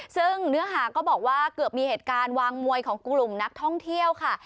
ซึ่งเนื้อหาก็บอกว่าเกือบมีเหตุการณ์วางมวยของกลุ่มนักท่องเที่ยวค่ะ